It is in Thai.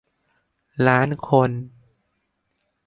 ล้านคน